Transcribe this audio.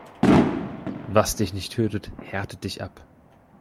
Was dich nicht tötet, härtet dich ab.